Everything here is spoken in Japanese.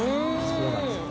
そうなんですよ。